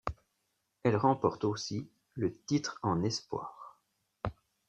Elle remporte aussi le titre en espoirs.